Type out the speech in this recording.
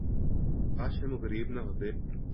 کاش ہم غریب نہ ہوتے